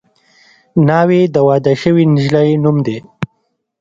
ناوې د واده شوې نجلۍ نوم دی